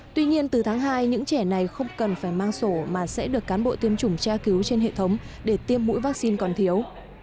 tuy nhiên từ tháng hai những trẻ này không cần phải mang sổ mà sẽ được cán bộ tiêm chủng tra cứu trên hệ thống để tiêm mũi vaccine còn thiếu